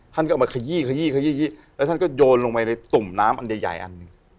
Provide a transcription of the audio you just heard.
ท่านก็เอามาขยี้แล้วท่านก็โยนลงไปในตุ่มน้ำอันใหญ่อัน